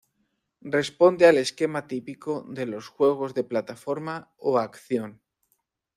Responde al esquema típico de los juegos de plataforma o acción.